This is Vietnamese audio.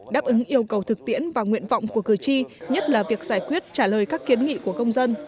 đáp ứng yêu cầu thực tiễn và nguyện vọng của cử tri nhất là việc giải quyết trả lời các kiến nghị của công dân